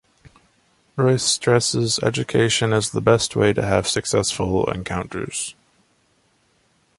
Royce stresses education as the best way to have successful encounters.